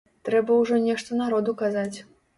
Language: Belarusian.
Трэба ўжо нешта народу казаць.